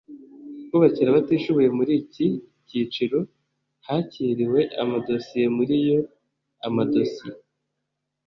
kubakira abatishoboye muri iki cyiciro hakiriwe amadosiye muri yo amadosiye